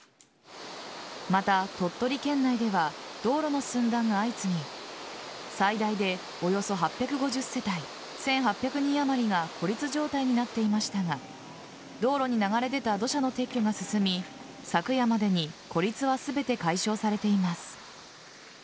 また、鳥取県内では道路の寸断が相次ぎ最大で、およそ８５０世帯１８００人あまりが孤立状態になっていましたが道路に流れ出た土砂の撤去が進み昨夜までに孤立は全て解消されています。